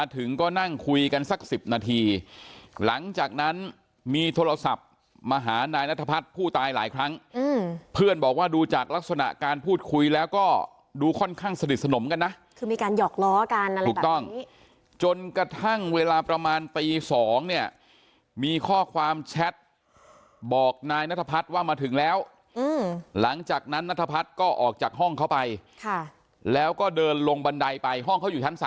ตอนนั้นมีโทรศัพท์มาหานายนัทพัฒน์ผู้ตายหลายครั้งเพื่อนบอกว่าดูจากลักษณะการพูดคุยแล้วก็ดูค่อนข้างสดิดสนมกันนะคือมีการหยอกล้อการอะไรแบบนี้ถูกต้องจนกระทั่งเวลาประมาณปี๒เนี่ยมีข้อความแชทบอกนายนัทพัฒน์ว่ามาถึงแล้วหลังจากนั้นนัทพัฒน์ก็ออกจากห้องเขาไปค่ะแล้วก็เดินลงบันไดไปห้อง